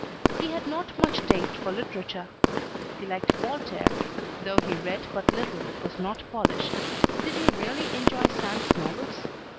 He had not much taste for literature. He liked Voltaire though he read but little that was not Polish did he really enjoy Sand's novels?